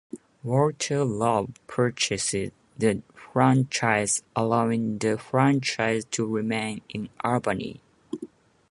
Walter Robb purchased the franchise, allowing the franchise to remain in Albany.